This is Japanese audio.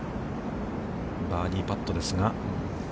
バーディーパットですが。